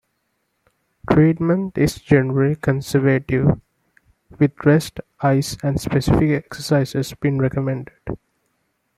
Treatment is generally conservative with rest, ice, and specific exercises being recommended.